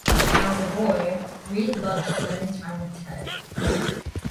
As a boy, Reed loved spending time with Ted.